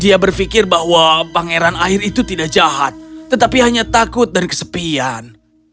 dia berpikir bahwa pangeran air itu tidak jahat tetapi hanya takut dan kesepian